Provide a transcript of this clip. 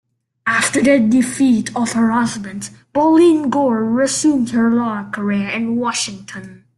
After the defeat of her husband, Pauline Gore resumed her law career in Washington.